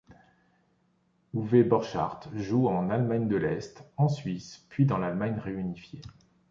Uwe Borchardt joue en Allemagne de l'Est, en Suisse, puis dans l’Allemagne réunifiée.